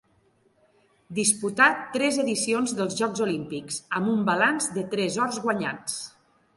Disputà tres edicions dels Jocs Olímpics, amb un balanç de tres ors guanyats.